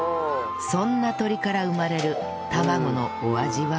そんな鶏から産まれる卵のお味は！？